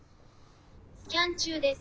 「スキャン中です。